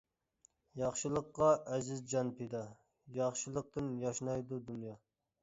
ياخشىلىققا ئەزىز جان پىدا، ياخشىلىقتىن ياشنايدۇ دۇنيا.